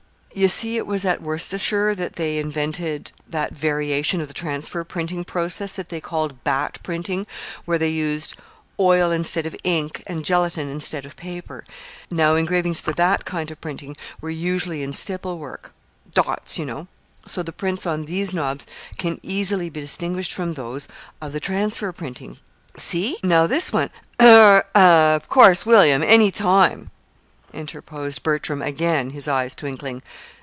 You see it was at Worcester that they invented that variation of the transfer printing process that they called bat printing, where they used oil instead of ink, and gelatine instead of paper. Now engravings for that kind of printing were usually in stipple work dots, you know so the prints on these knobs can easily be distinguished from those of the transfer printing. See? Now, this one is " "Er, of course, William, any time " interposed Bertram again, his eyes twinkling.